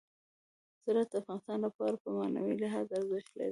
زراعت د افغانانو لپاره په معنوي لحاظ ارزښت لري.